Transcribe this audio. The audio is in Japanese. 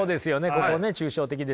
ここね抽象的ですね。